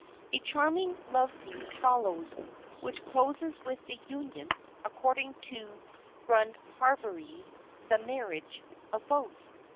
"A charming love scene follows, which closes with the union (according to Grundharveri, the marriage) of both.